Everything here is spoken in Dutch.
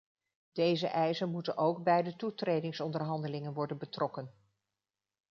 Deze eisen moeten ook bij de toetredingsonderhandelingen worden betrokken.